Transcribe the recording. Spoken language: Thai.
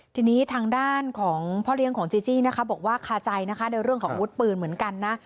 ทีนี้ทางด้านของพ่อเลี้ยงของจีจี้นะคะบอกว่าคาใจนะคะในเรื่องของอาวุธปืนเหมือนกันนะ